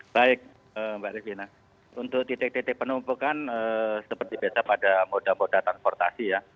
baik mbak revina untuk titik titik penumpukan seperti biasa pada moda moda transportasi ya